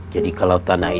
jadi kalau tanah ini